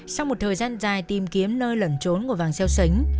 sau một thời gian dài tìm kiếm nơi lẩn trốn của vàng xeo xánh